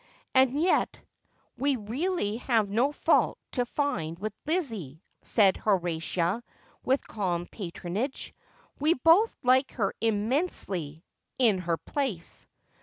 ' And yet we really have no fault to find with Lizzie,'' said Horatia, with calm patronage. ' We both liked her immensely — in her place.'